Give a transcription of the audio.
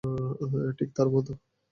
ঠিক তার মতো?